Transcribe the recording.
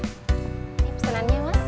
ini pesenannya mas